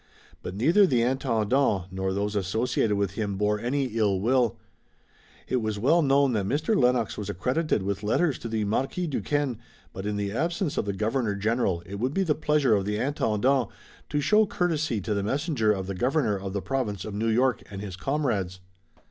But neither the Intendant nor those associated with him bore any ill will. It was well known that Mr. Lennox was accredited with letters to the Marquis Duquesne, but in the absence of the Governor General it would be the pleasure of the Intendant to show courtesy to the messenger of the Governor of the Province of New York and his comrades.